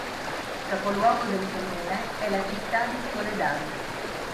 Il capoluogo del comune è la città di Soledad.